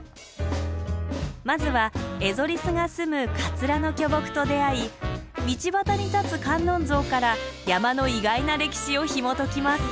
まずはエゾリスがすむカツラの巨木と出会い道端に立つ観音像から山の意外な歴史をひもときます。